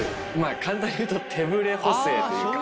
簡単に言うと手振れ補正というか。